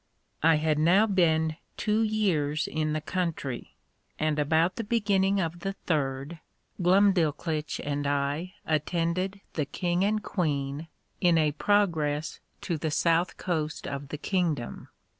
I had now been two years in the country: and about the beginning of the third, Glumdalclitch and I attended the king and queen, in a progress to the south coast of the kingdom.